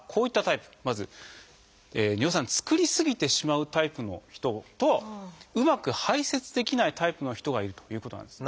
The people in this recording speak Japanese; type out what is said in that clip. まず尿酸作りすぎてしまうタイプの人とうまく排せつできないタイプの人がいるということなんです。